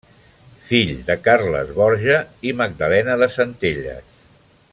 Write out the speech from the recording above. Fill de Carles Borja i Magdalena de Centelles.